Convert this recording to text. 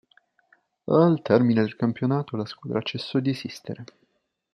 Al termine del campionato la squadra cessò di esistere.